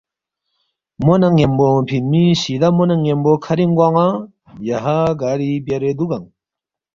”مو نہ ن٘یمبو اونگفی می سیدھا مو نہ ن٘یمبو کَھرِنگ گوان٘ا یہا گاری بیارے دُوگنگ؟